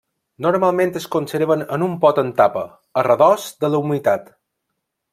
Normalment es conserven en un pot amb tapa, a redós de la humitat.